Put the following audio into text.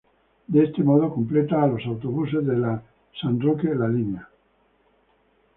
De este modo, complementa a los autobuses de la San Roque-La Línea.